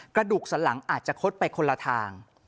กระดูกสันหลังอาจจะคดไปคนละทาง